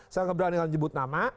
saya berani jubuh sama